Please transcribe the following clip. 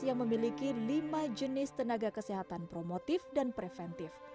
yang memiliki lima jenis tenaga kesehatan promotif dan preventif